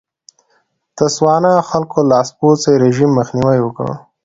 د تسوانا خلکو د لاسپوڅي رژیم مخنیوی وکړ.